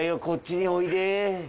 こっちにおいで。